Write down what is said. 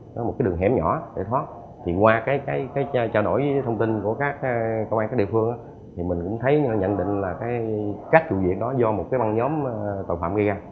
có một cái đường hẻm nhỏ để thoát thì qua cái trò đổi thông tin của các công an các địa phương thì mình cũng thấy và nhận định là cái cách chủ diện đó do một cái băng nhóm tội phạm gây ra